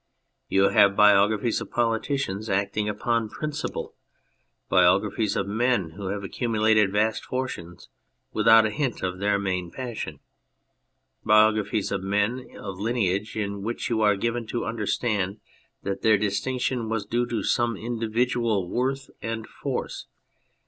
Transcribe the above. You have biographies of politicians acting upon principle ; biographies of men who have accumulated vast fortunes without a hint of their main passion ; biographies of men of lineage in which you are given to understand that their distinc tion was due to some individual worth and force.